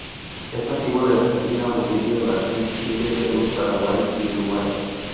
Es nativo de Argentina, Bolivia, Brasil, Chile, Perú, Paraguay y Uruguay.